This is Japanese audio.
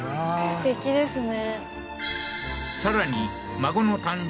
すてきですね